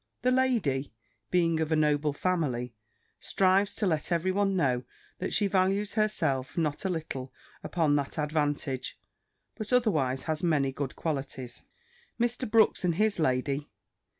The lady, being of a noble family, strives to let every one know that she values herself not a little upon that advantage; but otherwise has many good qualities. Mr. Brooks and his lady.